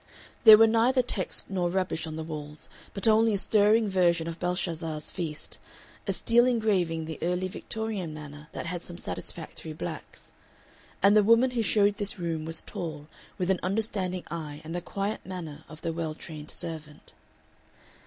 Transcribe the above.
There were neither texts nor rubbish on the walls, but only a stirring version of Belshazzar's feast, a steel engraving in the early Victorian manner that had some satisfactory blacks. And the woman who showed this room was tall, with an understanding eye and the quiet manner of the well trained servant.